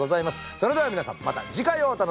それでは皆さんまた次回をお楽しみに。